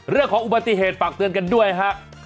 เรื่องของอุบัติเหตุฝากเตือนกันด้วยฮะ